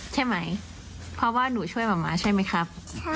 ใช่ไหมเพราะว่าหนูช่วยหมาใช่ไหมครับ